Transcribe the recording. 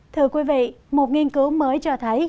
thưa quý vị một nghiên cứu mới cho thấy